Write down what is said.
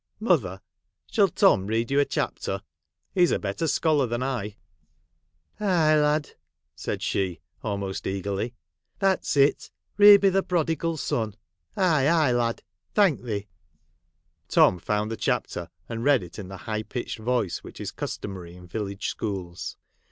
' Mother, shall Tom read you a chapter ? He 's a better scholar than I.' ' Aye, lad !' said she, almost eagerly. ' That 's it. Read me the Prodigal Son. Aye, aye, lad. Thank thee.' Tom found the chapter, and read it in the high pitched voice which is customary in village schools.